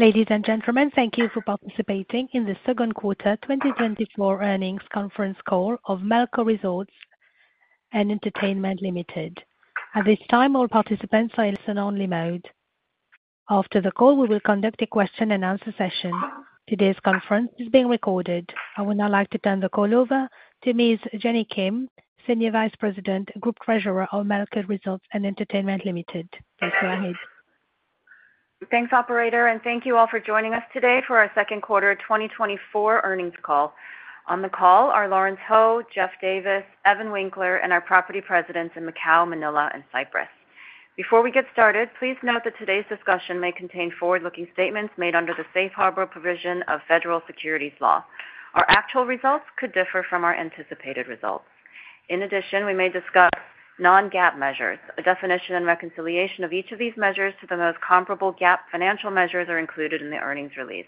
Ladies and gentlemen, thank you for participating in the second quarter 2024 earnings conference call of Melco Resorts & Entertainment Limited. At this time, all participants are in listen-only mode. After the call, we will conduct a question-and-answer session. Today's conference is being recorded. I would now like to turn the call over to Ms. Jeanny Kim, Senior Vice President, Group Treasurer of Melco Resorts & Entertainment Limited. Go ahead. Thanks, operator, and thank you all for joining us today for our second quarter 2024 earnings call. On the call are Lawrence Ho, Geoff Davis, Evan Winkler, and our property presidents in Macau, Manila, and Cyprus. Before we get started, please note that today's discussion may contain forward-looking statements made under the safe harbor provision of federal securities law. Our actual results could differ from our anticipated results. In addition, we may discuss non-GAAP measures. A definition and reconciliation of each of these measures to the most comparable GAAP financial measures are included in the earnings release.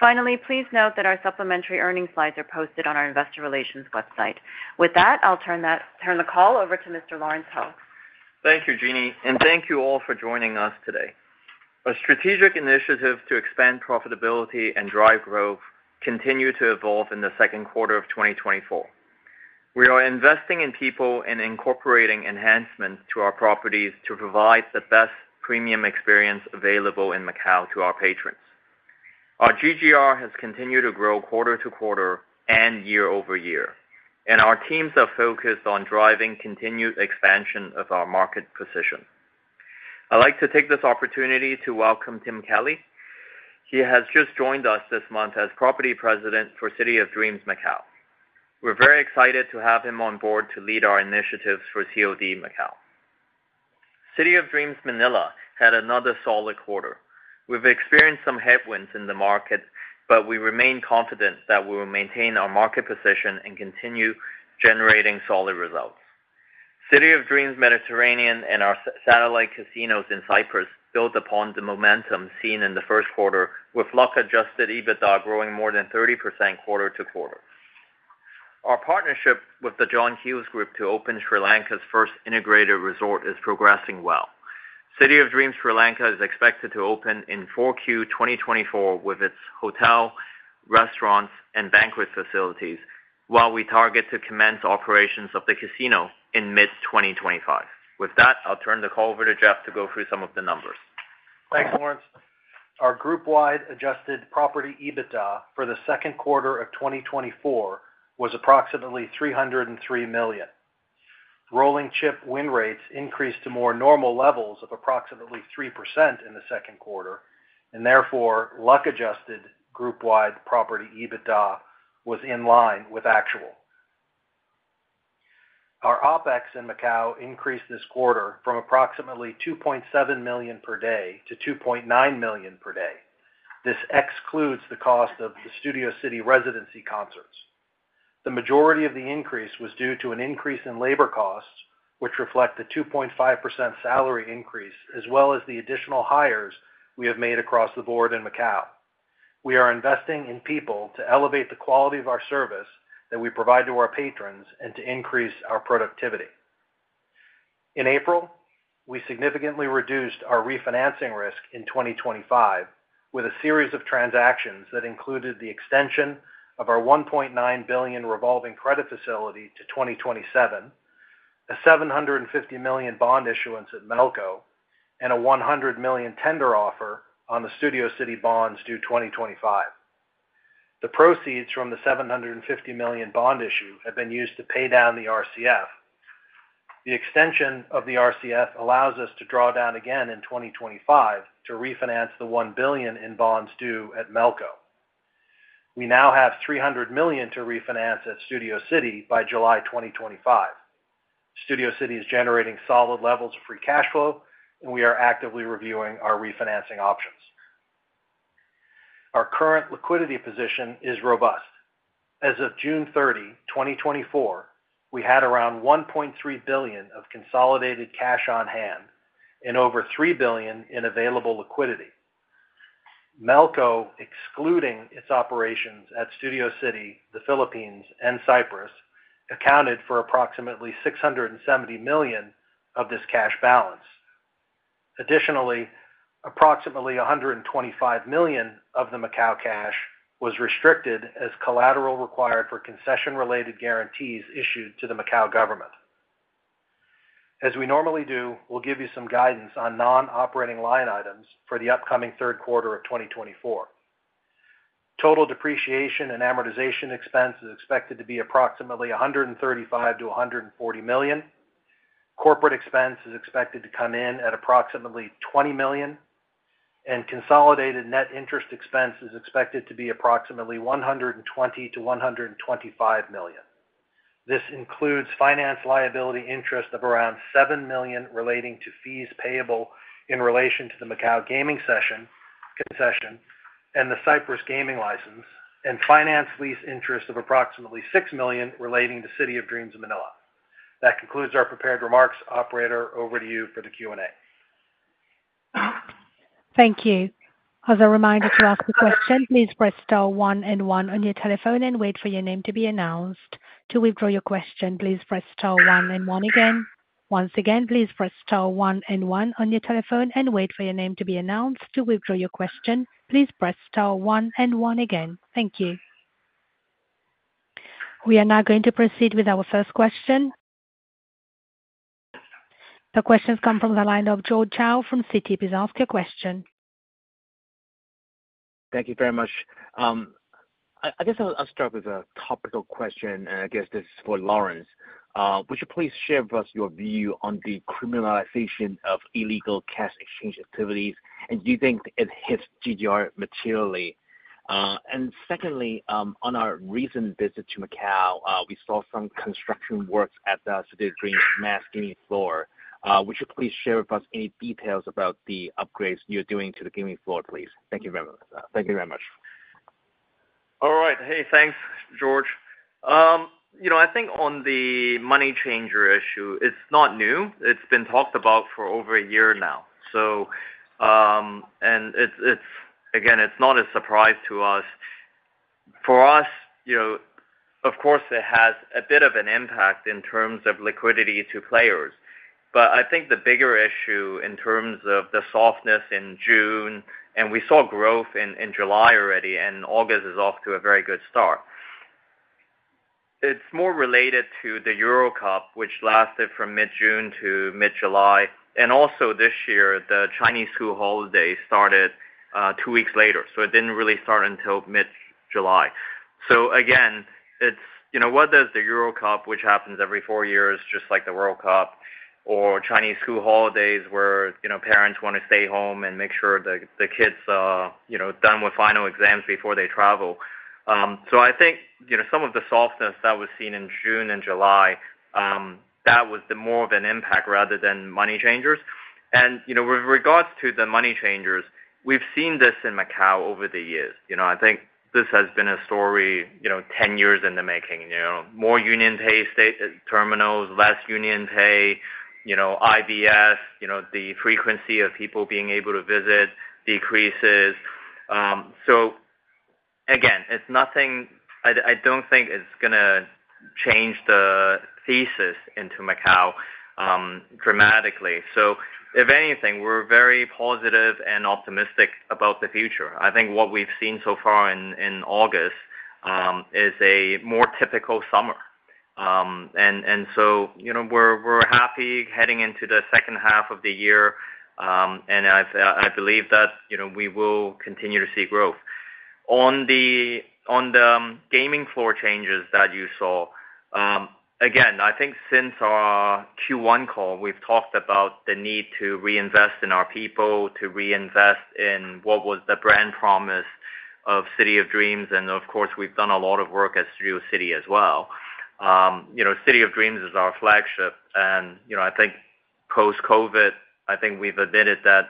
Finally, please note that our supplementary earnings slides are posted on our investor relations website. With that, I'll turn the call over to Mr. Lawrence Ho. Thank you, Jeanny, and thank you all for joining us today. Our strategic initiative to expand profitability and drive growth continue to evolve in the second quarter of 2024. We are investing in people and incorporating enhancements to our properties to provide the best premium experience available in Macau to our patrons. Our GGR has continued to grow quarter-to-quarter and year-over-year, and our teams are focused on driving continued expansion of our market position. I'd like to take this opportunity to welcome Tim Kelly. He has just joined us this month as Property President for City of Dreams Macau. We're very excited to have him on board to lead our initiatives for COD Macau. City of Dreams Manila had another solid quarter. We've experienced some headwinds in the market, but we remain confident that we will maintain our market position and continue generating solid results. City of Dreams Mediterranean and our satellite casinos in Cyprus built upon the momentum seen in the first quarter, with luck-adjusted EBITDA growing more than 30% quarter-over-quarter. Our partnership with the John Keells Group to open Sri Lanka's first integrated resort is progressing well. City of Dreams Sri Lanka is expected to open in 4Q 2024, with its hotel, restaurants, and banquet facilities, while we target to commence operations of the casino in mid-2025. With that, I'll turn the call over to Geoff to go through some of the numbers. Thanks, Lawrence. Our group-wide adjusted property EBITDA for the second quarter of 2024 was approximately $303 million. Rolling chip win rates increased to more normal levels of approximately 3% in the second quarter, and therefore, luck-adjusted group-wide property EBITDA was in line with actual. Our OpEx in Macau increased this quarter from approximately $2.7 million per day to $2.9 million per day. This excludes the cost of the Studio City residency concerts. The majority of the increase was due to an increase in labor costs, which reflect the 2.5% salary increase, as well as the additional hires we have made across the board in Macau. We are investing in people to elevate the quality of our service that we provide to our patrons and to increase our productivity. In April, we significantly reduced our refinancing risk in 2025 with a series of transactions that included the extension of our $1.9 billion revolving credit facility to 2027, a $750 million bond issuance at Melco, and a $100 million tender offer on the Studio City bonds due 2025. The proceeds from the $750 million bond issue have been used to pay down the RCF. The extension of the RCF allows us to draw down again in 2025 to refinance the $1 billion in bonds due at Melco. We now have $300 million to refinance at Studio City by July 2025. Studio City is generating solid levels of free cash flow, and we are actively reviewing our refinancing options. Our current liquidity position is robust. As of June 30, 2024, we had around $1.3 billion of consolidated cash on hand and over $3 billion in available liquidity. Melco, excluding its operations at Studio City, the Philippines, and Cyprus, accounted for approximately $670 million of this cash balance. Additionally, approximately $125 million of the Macau cash was restricted as collateral required for concession-related guarantees issued to the Macau government. As we normally do, we'll give you some guidance on non-operating line items for the upcoming third quarter of 2024. Total depreciation and amortization expense is expected to be approximately $135 million-$140 million. Corporate expense is expected to come in at approximately $20 million, and consolidated net interest expense is expected to be approximately $120 million-$125 million. This includes finance liability interest of around $7 million relating to fees payable in relation to the Macau gaming concession and the Cyprus gaming license, and finance lease interest of approximately $6 million relating to City of Dreams Manila. That concludes our prepared remarks. Operator, over to you for the Q&A. Thank you. As a reminder, to ask a question, please press star one and one on your telephone and wait for your name to be announced. To withdraw your question, please press star one and one again. Once again, please press star one and one on your telephone and wait for your name to be announced. To withdraw your question, please press star one and one again. Thank you. We are now going to proceed with our first question. The question's come from the line of George Choi from Citi. Please ask your question. Thank you very much. I guess I'll start with a topical question, and I guess this is for Lawrence. Would you please share with us your view on the criminalization of illegal cash exchange activities, and do you think it hits GGR materially? And secondly, on our recent visit to Macau, we saw some construction works at the City of Dreams mass gaming floor. Would you please share with us any details about the upgrades you're doing to the gaming floor, please? Thank you very much. Thank you very much. All right. Hey, thanks, George. You know, I think on the money changer issue, it's not new. It's been talked about for over a year now. Again, it's not a surprise to us. For us, you know, of course, it has a bit of an impact in terms of liquidity to players. But I think the bigger issue in terms of the softness in June, and we saw growth in July already, and August is off to a very good start. It's more related to the Euro Cup, which lasted from mid-June to mid-July, and also this year, the Chinese school holiday started two weeks later, so it didn't really start until mid-July. So again, it's, you know, whether it's the Euro Cup, which happens every four years, just like the World Cup, or Chinese school holidays, where, you know, parents want to stay home and make sure the kids are, you know, done with final exams before they travel. So I think, you know, some of the softness that was seen in June and July, that was more of an impact rather than money changers. And, you know, with regards to the money changers, we've seen this in Macau over the years. You know, I think this has been a story, you know, 10 years in the making, you know. More UnionPay terminals, less UnionPay, you know, IVS, you know, the frequency of people being able to visit decreases. So again, it's nothing. I don't think it's gonna change the thesis into Macau dramatically. So if anything, we're very positive and optimistic about the future. I think what we've seen so far in August is a more typical summer. And so, you know, we're happy heading into the second half of the year, and I believe that, you know, we will continue to see growth. On the gaming floor changes that you saw, again, I think since our Q1 call, we've talked about the need to reinvest in our people, to reinvest in what was the brand promise of City of Dreams, and of course, we've done a lot of work at Studio City as well. You know, City of Dreams is our flagship, and, you know, I think post-COVID, I think we've admitted that,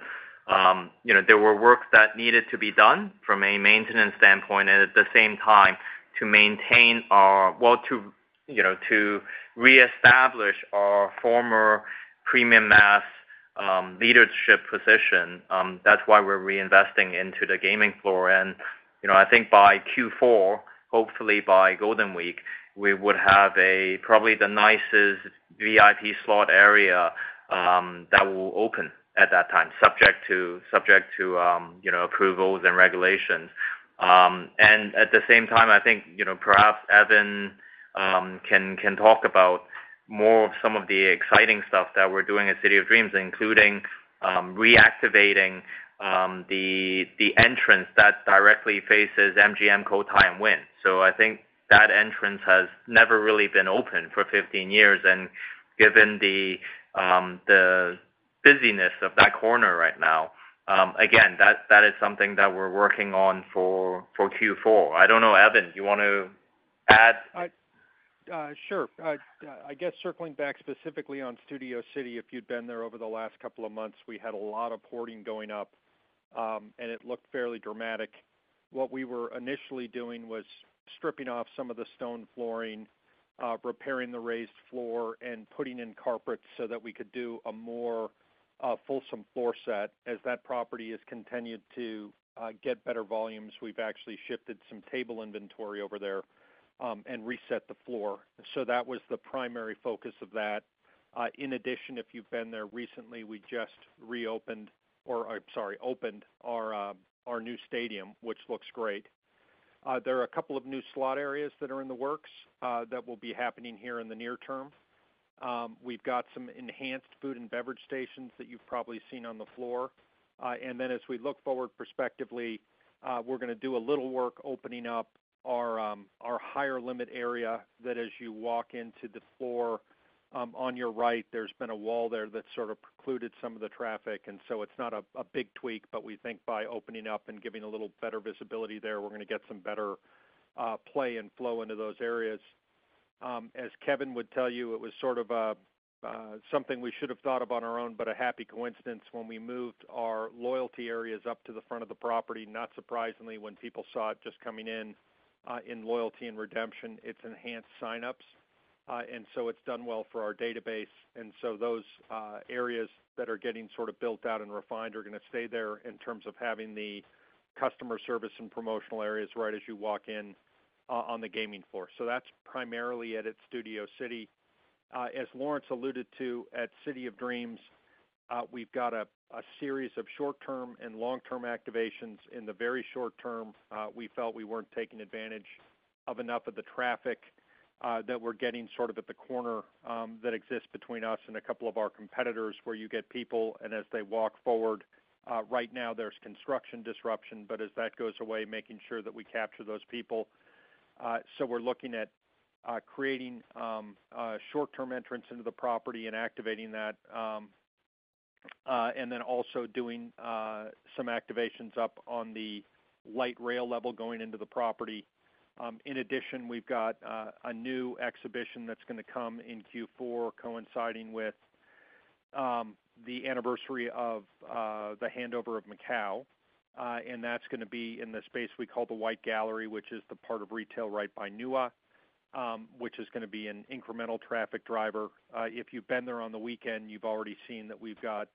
you know, there were works that needed to be done from a maintenance standpoint, and at the same time, to maintain our, well, to, you know, to reestablish our former premium mass, leadership position, that's why we're reinvesting into the gaming floor. And, you know, I think by Q4, hopefully by Golden Week, we would have a, probably the nicest VIP slot area, that will open at that time, subject to, you know, approvals and regulations. And at the same time, I think, you know, perhaps Evan can talk about more of some of the exciting stuff that we're doing at City of Dreams, including, reactivating, the entrance that directly faces MGM Cotai and Wynn. So I think that entrance has never really been open for 15 years, and given the busyness of that corner right now, again, that is something that we're working on for Q4. I don't know, Evan, do you want to add? Sure. I guess circling back specifically on Studio City, if you'd been there over the last couple of months, we had a lot of partitioning going up, and it looked fairly dramatic. What we were initially doing was stripping off some of the stone flooring, repairing the raised floor, and putting in carpets so that we could do a more fulsome floor set. As that property has continued to get better volumes, we've actually shifted some table inventory over there, and reset the floor. So that was the primary focus of that. In addition, if you've been there recently, we just reopened, or I'm sorry, opened our new stadium, which looks great. There are a couple of new slot areas that are in the works, that will be happening here in the near term. We've got some enhanced food and beverage stations that you've probably seen on the floor. And then as we look forward prospectively, we're gonna do a little work opening up our higher limit area, that as you walk into the floor, on your right, there's been a wall there that sort of precluded some of the traffic, and so it's not a big tweak, but we think by opening up and giving a little better visibility there, we're gonna get some better play and flow into those areas. As Kevin would tell you, it was sort of a something we should have thought about on our own, but a happy coincidence when we moved our loyalty areas up to the front of the property. Not surprisingly, when people saw it just coming in, in loyalty and redemption, it's enhanced signups. And so it's done well for our database. And so those areas that are getting sort of built out and refined are gonna stay there in terms of having the customer service and promotional areas right as you walk in on the gaming floor. So that's primarily at its Studio City. As Lawrence alluded to, at City of Dreams, we've got a series of short-term and long-term activations. In the very short term, we felt we weren't taking advantage of enough of the traffic that we're getting sort of at the corner that exists between us and a couple of our competitors, where you get people, and as they walk forward, right now, there's construction disruption, but as that goes away, making sure that we capture those people. So we're looking at creating a short-term entrance into the property and activating that. And then also doing some activations up on the light rail level going into the property. In addition, we've got a new exhibition that's gonna come in Q4, coinciding with the anniversary of the handover of Macau. And that's gonna be in the space we call the White Gallery, which is the part of retail right by Nüwa, which is gonna be an incremental traffic driver. If you've been there on the weekend, you've already seen that we've got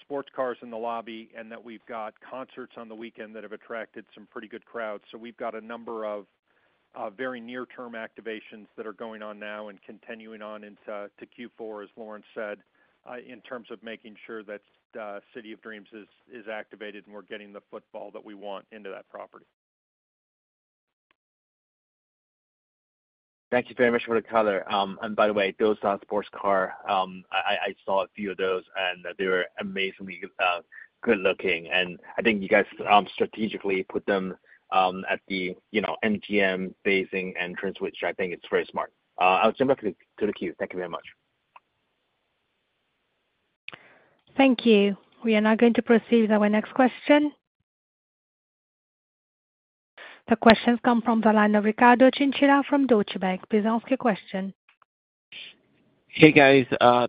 sports cars in the lobby, and that we've got concerts on the weekend that have attracted some pretty good crowds. So we've got a number of very near-term activations that are going on now and continuing on into Q4, as Lawrence said, in terms of making sure that City of Dreams is activated, and we're getting the footfall that we want into that property. Thank you very much for the color. And by the way, those sports car, I saw a few of those, and they were amazingly good looking, and I think you guys strategically put them at the, you know, MGM facing entrance, which I think it's very smart. I'll jump back to the queue. Thank you very much. Thank you. We are now going to proceed with our next question. The question comes from the line of Ricardo Chinchilla from Deutsche Bank. Please ask your question. Hey, guys.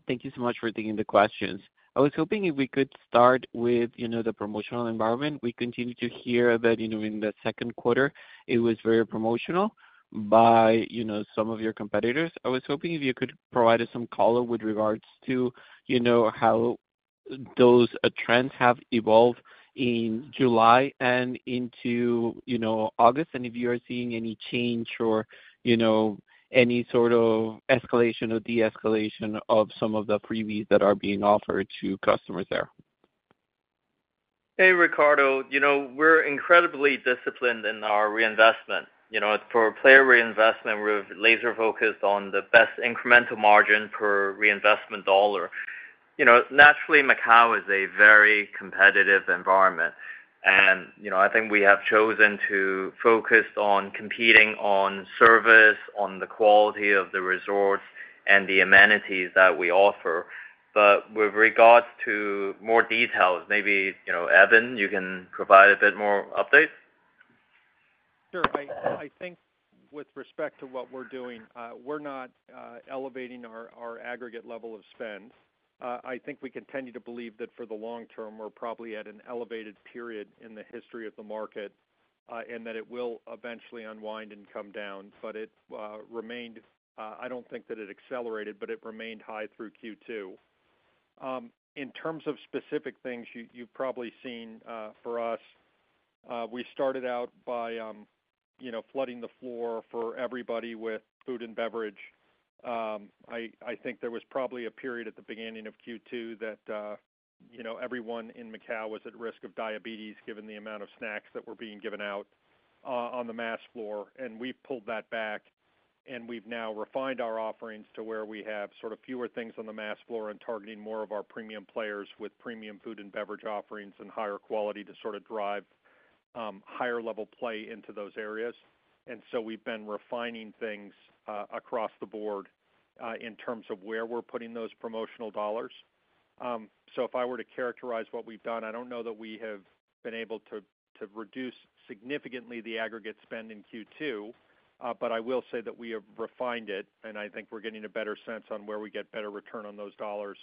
Thank you so much for taking the questions. I was hoping if we could start with, you know, the promotional environment. We continue to hear that, you know, in the second quarter, it was very promotional by, you know, some of your competitors. I was hoping if you could provide us some color with regards to, you know, how those trends have evolved in July and into, you know, August, and if you are seeing any change or, you know, any sort of escalation or de-escalation of some of the perks that are being offered to customers there. Hey, Ricardo. You know, we're incredibly disciplined in our reinvestment. You know, for player reinvestment, we're laser focused on the best incremental margin per reinvestment dollar. You know, naturally, Macau is a very competitive environment, and, you know, I think we have chosen to focus on competing on service, on the quality of the resorts and the amenities that we offer. But with regards to more details, maybe, you know, Evan, you can provide a bit more update? Sure. I think with respect to what we're doing, we're not elevating our aggregate level of spend. I think we continue to believe that for the long term, we're probably at an elevated period in the history of the market, and that it will eventually unwind and come down, but it remained, I don't think that it accelerated, but it remained high through Q2. In terms of specific things, you've probably seen, for us, we started out by, you know, flooding the floor for everybody with food and beverage. I think there was probably a period at the beginning of Q2 that, you know, everyone in Macau was at risk of diabetes, given the amount of snacks that were being given out, on the mass floor. We've pulled that back, and we've now refined our offerings to where we have sort of fewer things on the mass floor and targeting more of our premium players with premium food and beverage offerings and higher quality to sort of drive higher level play into those areas. And so we've been refining things across the board in terms of where we're putting those promotional dollars. So if I were to characterize what we've done, I don't know that we have been able to reduce significantly the aggregate spend in Q2, but I will say that we have refined it, and I think we're getting a better sense on where we get better return on those dollars,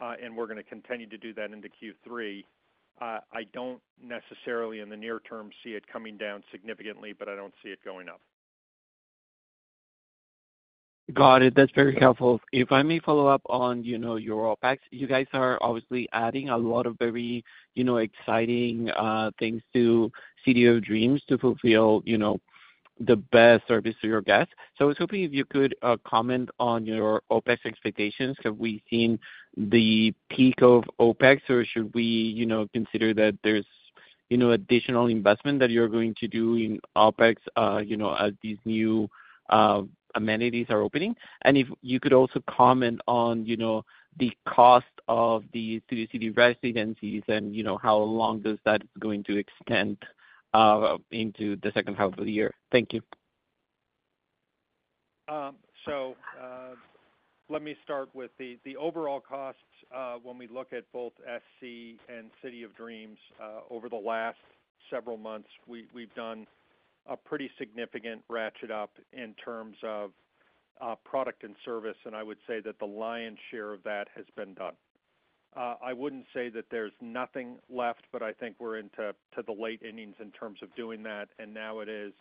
and we're gonna continue to do that into Q3. I don't necessarily, in the near term, see it coming down significantly, but I don't see it going up. Got it. That's very helpful. If I may follow up on, you know, your OpEx. You guys are obviously adding a lot of very, you know, exciting things to City of Dreams to fulfill, you know, the best service to your guests. So I was hoping if you could comment on your OpEx expectations. Have we seen the peak of OpEx, or should we, you know, consider that there's, you know, additional investment that you're going to do in OpEx, you know, as these new amenities are opening? And if you could also comment on, you know, the cost of the Studio City residencies and, you know, how long does that going to extend into the second half of the year? Thank you. So, let me start with the overall costs when we look at both SC and City of Dreams over the last several months. We've done a pretty significant ratchet up in terms of product and service, and I would say that the lion's share of that has been done. I wouldn't say that there's nothing left, but I think we're into the late innings in terms of doing that, and now it is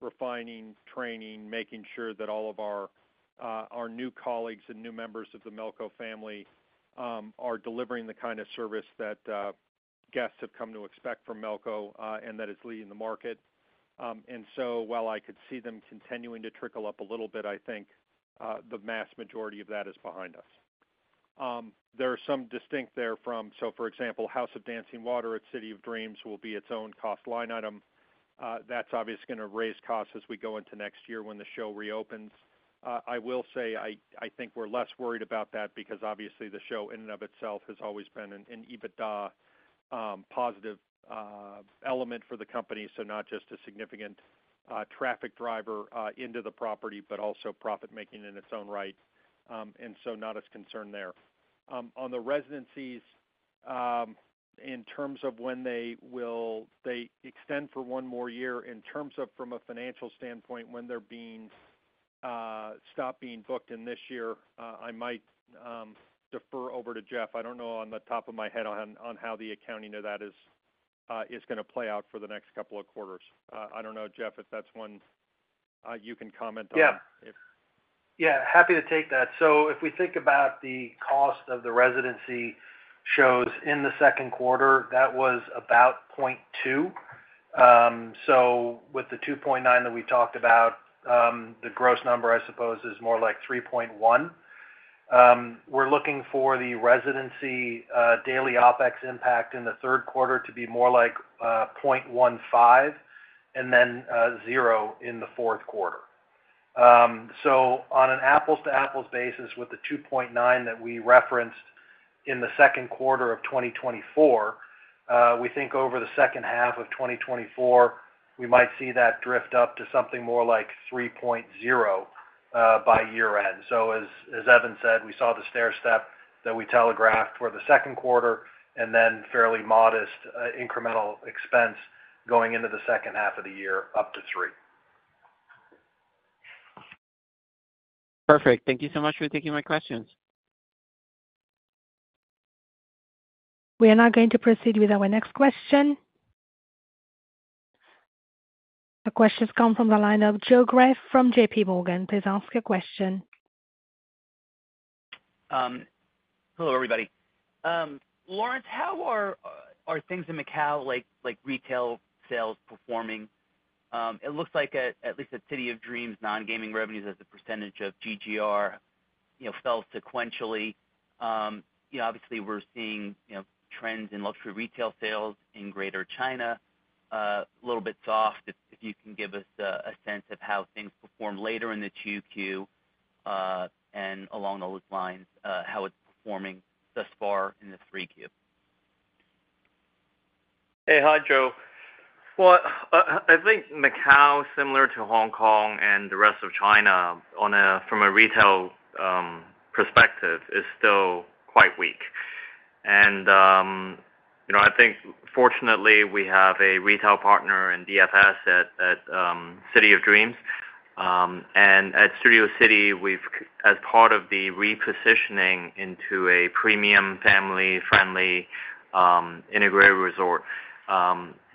refining, training, making sure that all of our new colleagues and new members of the Melco family are delivering the kind of service that guests have come to expect from Melco and that it's leading the market. And so while I could see them continuing to trickle up a little bit, I think the mass majority of that is behind us. There are some distinct from. So, for example, House of Dancing Water at City of Dreams will be its own cost line item. That's obviously going to raise costs as we go into next year when the show reopens. I will say, I, I think we're less worried about that because, obviously, the show in and of itself has always been an EBITDA positive element for the company. So not just a significant traffic driver into the property, but also profit-making in its own right. And so not as concerned there. On the residencies, in terms of when they will. They extend for one more year. In terms of from a financial standpoint, when they're being stopped being booked in this year, I might defer over to Geoff. I don't know off the top of my head on how the accounting of that is gonna play out for the next couple of quarters. I don't know, Geoff, if that's one you can comment on. Yeah. Yeah, happy to take that. So if we think about the cost of the residency shows in the second quarter, that was about $0.2. So with the $2.9 that we talked about, the gross number, I suppose, is more like $3.1. We're looking for the residency, daily OpEx impact in the third quarter to be more like $0.15, and then $0 in the fourth quarter. So on an apples-to-apples basis, with the $2.9 that we referenced in the second quarter of 2024, we think over the second half of 2024, we might see that drift up to something more like $3.0, by year-end. So as, as Evan said, we saw the stairstep that we telegraphed for the second quarter, and then fairly modest, incremental expense going into the second half of the year, up to three. Perfect. Thank you so much for taking my questions. We are now going to proceed with our next question. The question has come from the line of Joe Greff from JPMorgan. Please ask your question. Hello, everybody. Lawrence, how are things in Macau, like retail sales performing? It looks like at least at City of Dreams, non-gaming revenues as a percentage of GGR, you know, fell sequentially. You know, obviously, we're seeing, you know, trends in luxury retail sales in Greater China, a little bit soft. If you can give us a sense of how things performed later in the 2Q, and along those lines, how it's performing thus far in the 3Q. Hey. Hi, Joe. Well, I think Macau, similar to Hong Kong and the rest of China, from a retail perspective, is still quite weak. And, you know, I think fortunately, we have a retail partner in DFS at City of Dreams. And at Studio City, as part of the repositioning into a premium, family-friendly integrated resort,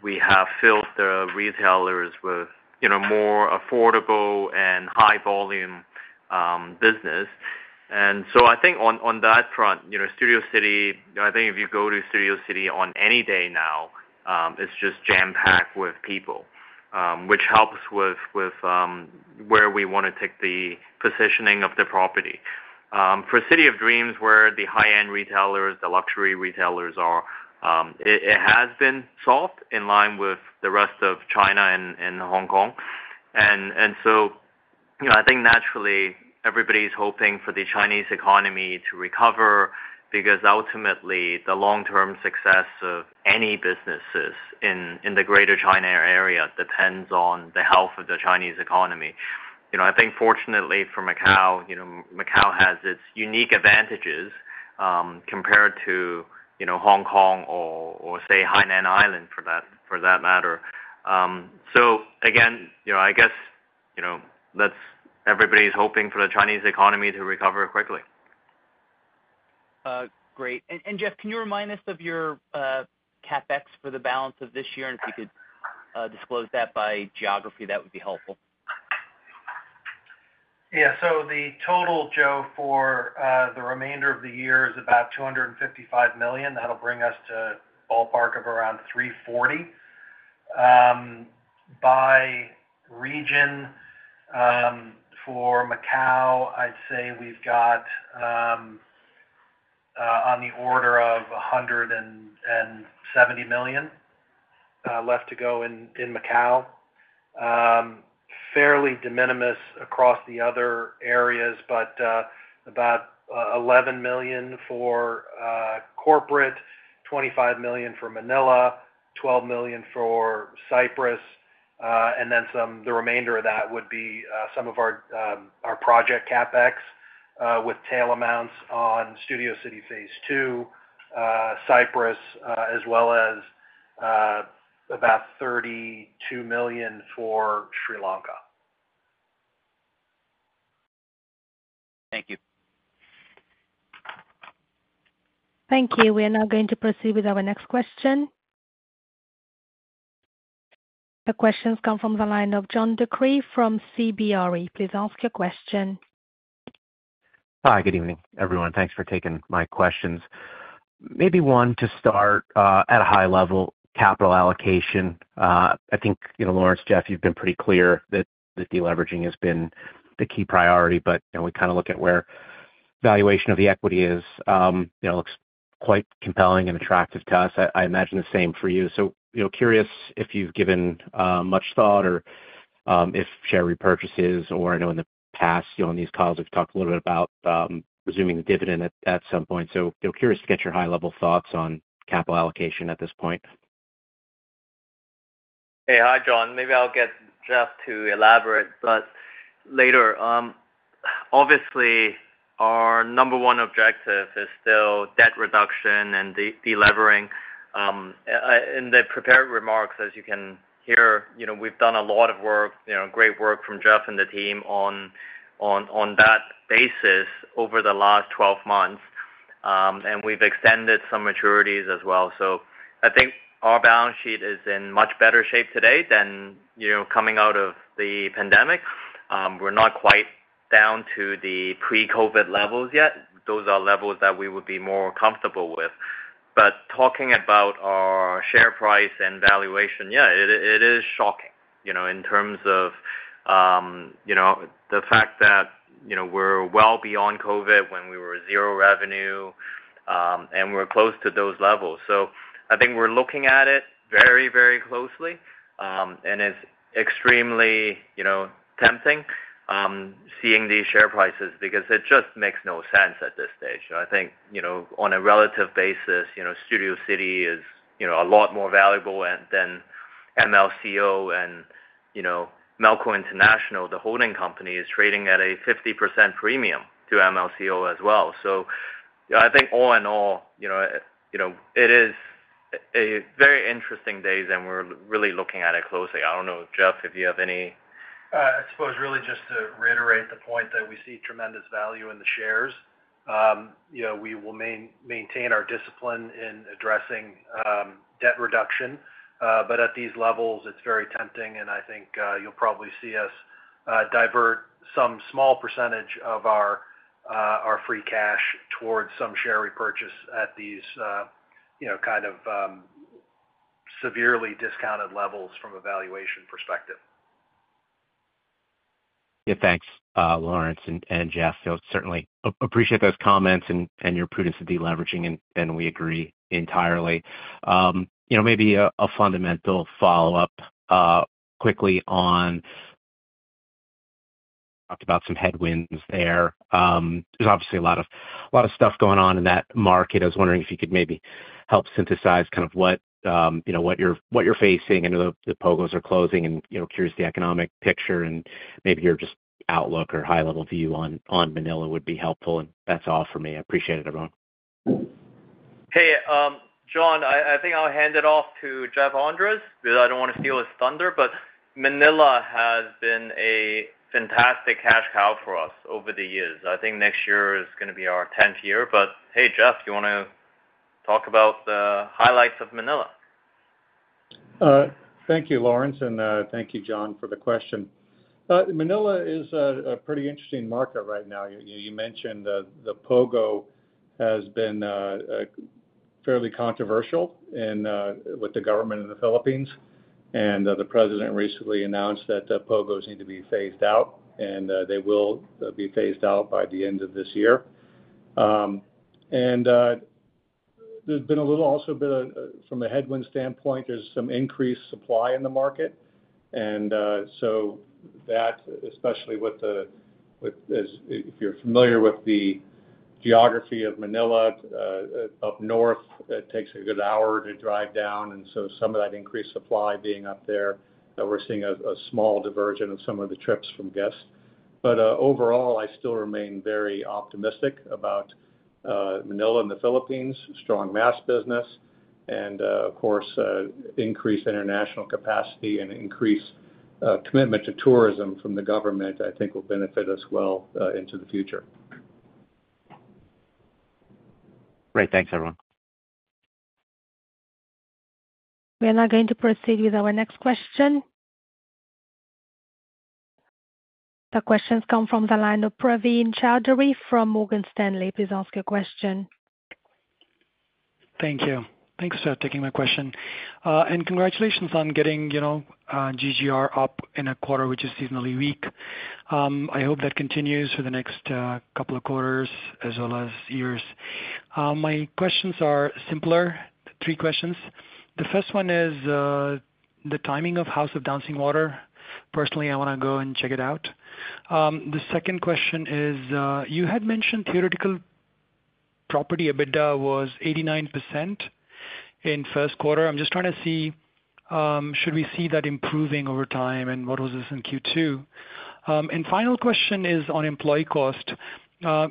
we have filled the retailers with, you know, more affordable and high volume business. And so I think on that front, you know, Studio City, I think if you go to Studio City on any day now, it's just jam-packed with people, which helps with where we want to take the positioning of the property. For City of Dreams, where the high-end retailers, the luxury retailers are, it has been soft in line with the rest of China and Hong Kong. So, you know, I think naturally, everybody's hoping for the Chinese economy to recover, because ultimately, the long-term success of any businesses in the Greater China area depends on the health of the Chinese economy. You know, I think fortunately for Macau, you know, Macau has its unique advantages, compared to, you know, Hong Kong or say, Hainan Island, for that matter. So again, you know, I guess, everybody's hoping for the Chinese economy to recover quickly. Great. And Geoff, can you remind us of your CapEx for the balance of this year? And if you could, disclose that by geography, that would be helpful. Yeah. So the total, Joe, for the remainder of the year is about $255 million. That'll bring us to a ballpark of around $340 million. By region, for Macau, I'd say we've got on the order of $170 million left to go in Macau. Fairly de minimis across the other areas, but about $11 million for corporate, $25 million for Manila, $12 million for Cyprus, and then some, the remainder of that would be some of our project CapEx, with tail amounts on Studio City Phase Two, Cyprus, as well as about $32 million for Sri Lanka. Thank you. Thank you. We are now going to proceed with our next question. The questions come from the line of John DeCree from CBRE. Please ask your question. Hi, good evening, everyone. Thanks for taking my questions. Maybe one to start, at a high level, capital allocation. I think, you know, Lawrence, Geoff, you've been pretty clear that the deleveraging has been the key priority, but, you know, we kind of look at where valuation of the equity is. It looks quite compelling and attractive to us. I imagine the same for you. So, you know, curious if you've given much thought or, if share repurchases or I know in the past, you know, on these calls, we've talked a little bit about resuming the dividend at some point. So curious to get your high-level thoughts on capital allocation at this point. Hey, hi, John. Maybe I'll get Geoff to elaborate, but later, obviously, our number one objective is still debt reduction and delevering. In the prepared remarks, as you can hear, you know, we've done a lot of work, you know, great work from Geoff and the team on that basis over the last 12 months, and we've extended some maturities as well. So I think our balance sheet is in much better shape today than, you know, coming out of the pandemic. We're not quite down to the pre-COVID levels yet. Those are levels that we would be more comfortable with. But talking about our share price and valuation, yeah, it, it is shocking, you know, in terms of, you know, the fact that, you know, we're well beyond COVID when we were zero revenue, and we're close to those levels. So I think we're looking at it very, very closely, and it's extremely, you know, tempting, seeing these share prices because it just makes no sense at this stage. I think, you know, on a relative basis, you know, Studio City is, you know, a lot more valuable and than MLCO and, you know, Melco International, the holding company, is trading at a 50% premium to MLCO as well. So I think all in all, you know, you know, it is a very interesting days, and we're really looking at it closely. I don't know, Geoff, if you have any. I suppose, really, just to reiterate the point that we see tremendous value in the shares. You know, we will maintain our discipline in addressing debt reduction, but at these levels, it's very tempting, and I think you'll probably see us divert some small percentage of our free cash towards some share repurchase at these, you know, kind of severely discounted levels from a valuation perspective. Yeah, thanks, Lawrence and Geoff. So certainly appreciate those comments and your prudence to deleveraging, and we agree entirely. You know, maybe a fundamental follow-up quickly on talked about some headwinds there. There's obviously a lot of stuff going on in that market. I was wondering if you could maybe help synthesize kind of what you know, what you're facing. I know the POGOs are closing and you know, curious the economic picture and maybe your just outlook or high-level view on Manila would be helpful, and that's all for me. I appreciate it, everyone. Hey, John, I think I'll hand it off to Geoff Andres, because I don't want to steal his thunder, but Manila has been a fantastic cash cow for us over the years. I think next year is going to be our tenth year. But hey, Geoff, you want to talk about the highlights of Manila? Thank you, Lawrence, and thank you, John, for the question. Manila is a pretty interesting market right now. You mentioned the POGO has been fairly controversial with the government of the Philippines, and the president recently announced that the POGOs need to be phased out, and they will be phased out by the end of this year. And from a headwind standpoint, there's some increased supply in the market. So that, especially with, as if you're familiar with the geography of Manila, up north, it takes a good hour to drive down, and so some of that increased supply being up there, we're seeing a small diversion of some of the trips from guests. But, overall, I still remain very optimistic about Manila and the Philippines, strong mass business and, of course, increased international capacity and increased commitment to tourism from the government. I think will benefit us well into the future. Great. Thanks, everyone. We are now going to proceed with our next question. The questions come from the line of Praveen Choudhary from Morgan Stanley. Please ask your question. Thank you. Thanks for taking my question. And congratulations on getting, you know, GGR up in a quarter, which is seasonally weak. I hope that continues for the next couple of quarters as well as years. My questions are simpler. Three questions. The first one is the timing of House of Dancing Water. Personally, I want to go and check it out. The second question is you had mentioned theoretical property EBITDA was 89% in first quarter. I'm just trying to see should we see that improving over time, and what was this in Q2? And final question is on employee cost.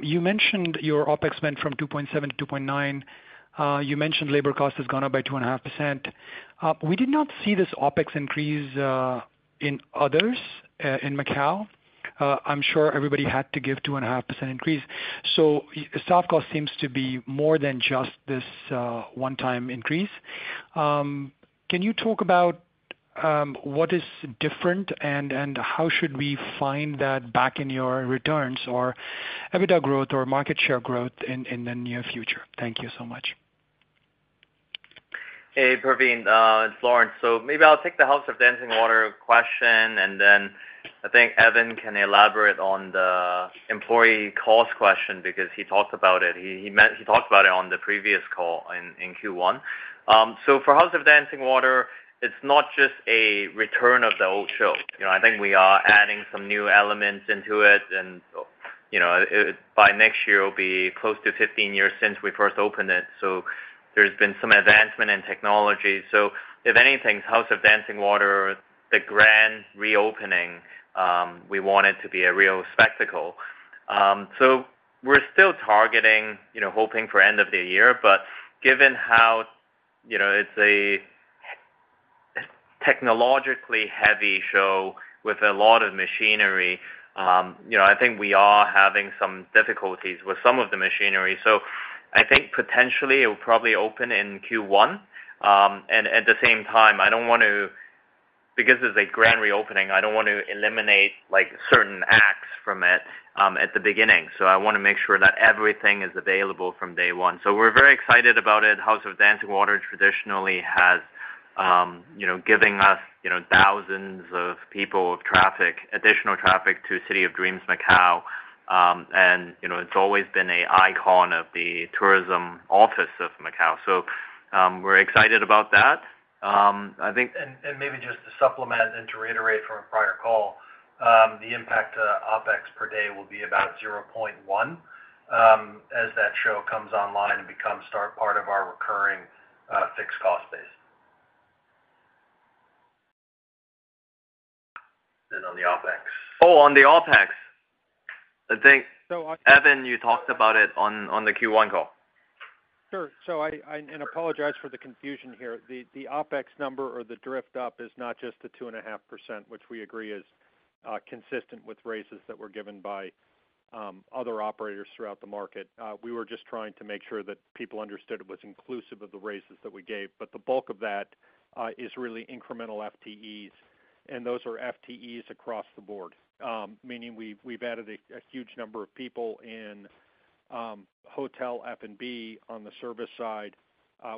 You mentioned your OpEx went from $2.7 to $2.9. You mentioned labor cost has gone up by 2.5%. We did not see this OpEx increase in others in Macau. I'm sure everybody had to give a 2.5% increase. So, your staff cost seems to be more than just this one-time increase. Can you talk about what is different, and how should we find that back in your returns or EBITDA growth or market share growth in the near future? Thank you so much. Hey, Praveen, it's Lawrence. So maybe I'll take the House of Dancing Water question, and then I think Evan can elaborate on the employee cost question, because he talked about it on the previous call in Q1. So for House of Dancing Water, it's not just a return of the old show. You know, I think we are adding some new elements into it, and, you know, it, it, by next year, it'll be close to 15 years since we first opened it, so there's been some advancement in technology. So if anything, House of Dancing Water, the grand reopening, we want it to be a real spectacle. So we're still targeting, you know, hoping for end of the year, but given how, you know, it's a technologically heavy show with a lot of machinery, you know, I think we are having some difficulties with some of the machinery. So I think potentially it will probably open in Q1. And at the same time, I don't want to. Because it's a grand reopening, I don't want to eliminate, like, certain acts from it, at the beginning. So I wanna make sure that everything is available from day one. So we're very excited about it. House of Dancing Water traditionally has, you know, giving us, you know, thousands of people of traffic, additional traffic to City of Dreams Macau, and, you know, it's always been an icon of the tourism office of Macau. So, we're excited about that. I think- Maybe just to supplement and to reiterate from a prior call, the impact to OpEx per day will be about $0.1 as that show comes online and becomes part of our recurring fixed cost base. Then on the OpEx. Oh, on the OpEx. I think Evan, you talked about it on the Q1 call. Sure. So I apologize for the confusion here. The OpEx number or the drift up is not just the 2.5%, which we agree is consistent with raises that were given by other operators throughout the market. We were just trying to make sure that people understood it was inclusive of the raises that we gave. But the bulk of that is really incremental FTEs, and those are FTEs across the board. Meaning we've added a huge number of people in hotel F&B on the service side.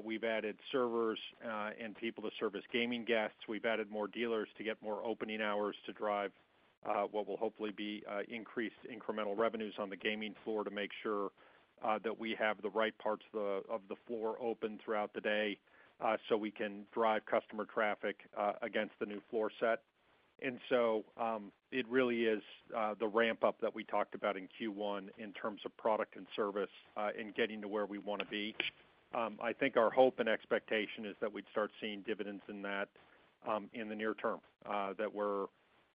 We've added servers and people to service gaming guests. We've added more dealers to get more opening hours to drive what will hopefully be increased incremental revenues on the gaming floor to make sure that we have the right parts of the floor open throughout the day so we can drive customer traffic against the new floor set. And so it really is the ramp-up that we talked about in Q1 in terms of product and service in getting to where we wanna be. I think our hope and expectation is that we'd start seeing dividends in that, in the near term, that we're,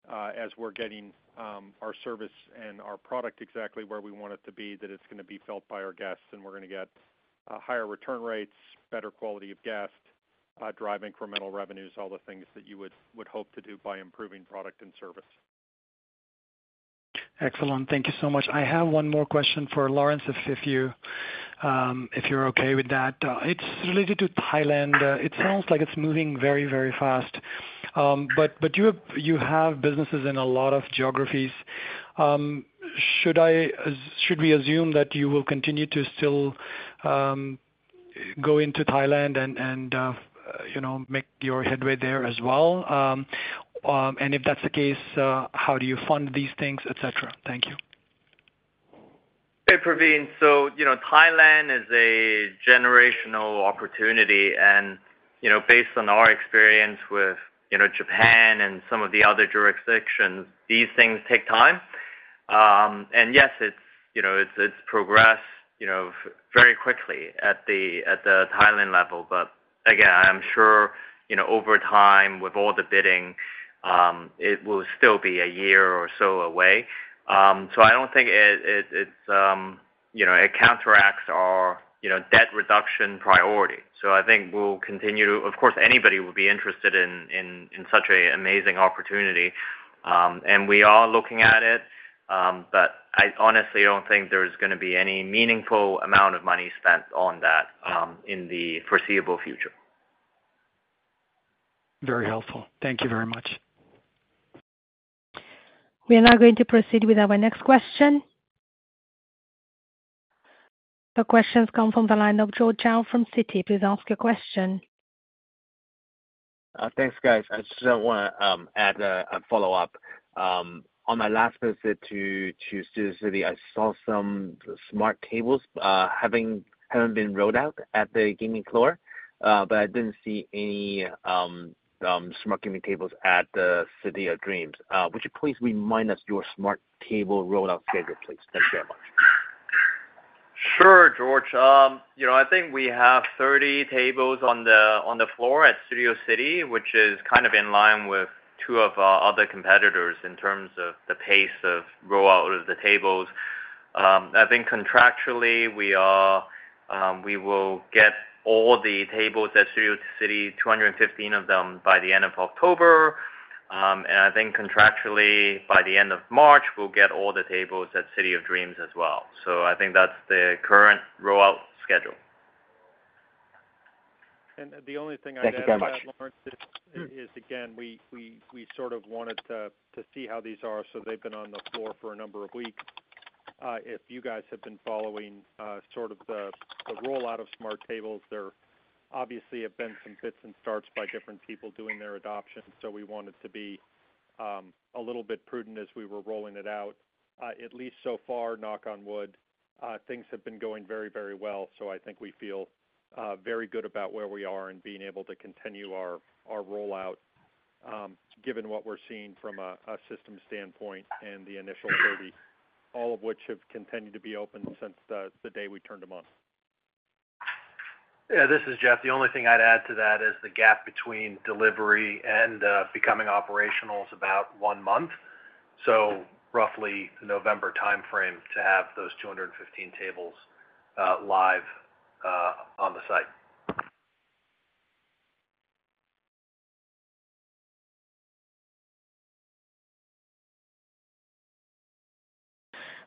as we're getting, our service and our product exactly where we want it to be, that it's gonna be felt by our guests, and we're gonna get, higher return rates, better quality of guest, drive incremental revenues, all the things that you would, would hope to do by improving product and service. Excellent. Thank you so much. I have one more question for Lawrence, if you're okay with that. It's related to Thailand. It sounds like it's moving very, very fast. But you have businesses in a lot of geographies. Should we assume that you will continue to still go into Thailand and you know, make your headway there as well? And if that's the case, how do you fund these things, et cetera? Thank you. Hey, Praveen. So, you know, Thailand is a generational opportunity and, you know, based on our experience with, you know, Japan and some of the other jurisdictions, these things take time. And yes, it's progressed very quickly at the Thailand level. But again, I'm sure, you know, over time, with all the bidding, it will still be a year or so away. So I don't think it's, you know, it counteracts our debt reduction priority. So I think we'll continue to... of course, anybody would be interested in such an amazing opportunity, and we are looking at it, but I honestly don't think there's gonna be any meaningful amount of money spent on that in the foreseeable future. Very helpful. Thank you very much. We are now going to proceed with our next question. The questions come from the line of George Choi from Citi. Please ask your question. Thanks, guys. I just wanna add a follow-up. On my last visit to Studio City, I saw some smart tables having been rolled out at the gaming floor, but I didn't see any smart gaming tables at the City of Dreams. Would you please remind us your smart table rollout schedule, please? Thanks very much. Sure, George. You know, I think we have 30 tables on the floor at Studio City, which is kind of in line with two of our other competitors in terms of the pace of rollout of the tables. I think contractually, we will get all the tables at Studio City, 215 of them, by the end of October. And I think contractually, by the end of March, we'll get all the tables at City of Dreams as well. So I think that's the current rollout schedule. And the only thing I'd add to that- Thank you very much. Lawrence, again, we sort of wanted to see how these are, so they've been on the floor for a number of weeks. If you guys have been following, sort of the rollout of Smart Tables, there obviously have been some fits and starts by different people doing their adoption, so we wanted to be a little bit prudent as we were rolling it out. At least so far, knock on wood, things have been going very, very well, so I think we feel very good about where we are and being able to continue our rollout, given what we're seeing from a system standpoint and the initial 30, all of which have continued to be open since the day we turned them on. Yeah, this is Geoff. The only thing I'd add to that is the gap between delivery and becoming operational is about one month. So roughly November timeframe to have those 215 tables live on the site.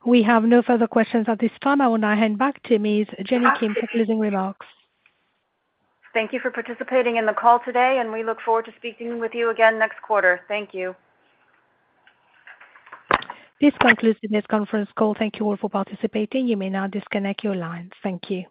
We have no further questions at this time. I will now hand back to Ms. Jeanny Kim for closing remarks. Thank you for participating in the call today, and we look forward to speaking with you again next quarter. Thank you. This concludes today's conference call. Thank you all for participating. You may now disconnect your lines. Thank you.